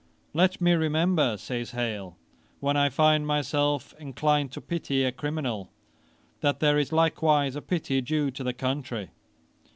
"Let me remember, (says Hale,) when I find myself inclined to pity a criminal, that there is likewise a pity due to the country."